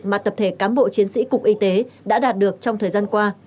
mà tập thể cám bộ chiến sĩ cục y tế đã đạt được trong thời gian qua